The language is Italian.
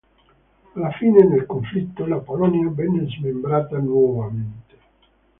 Alla fine del conflitto la Polonia venne smembrata nuovamente.